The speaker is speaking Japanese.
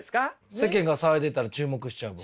世間が騒いでたら注目しちゃう僕。